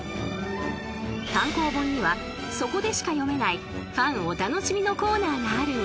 ［単行本にはそこでしか読めないファンお楽しみのコーナーがあるんです］